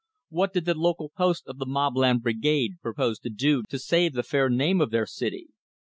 What did the local post of the Mobland Brigade propose to do to save the fair name of their city?